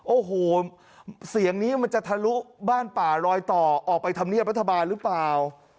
โอ้โหเสียงนี้มันจะทะลุบ้านป่าลอยต่อออกไปธรรมเนียบรัฐบาลหรือเปล่า